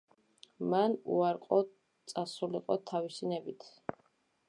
მან უარყო წასულიყო თავისი ნებით.